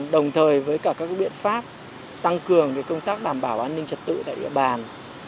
đồng thời với cả các biện pháp tăng cường công tác đảm bảo an ninh trật tự tại địa bàn